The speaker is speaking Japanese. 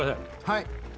はい。